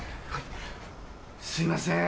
すいません！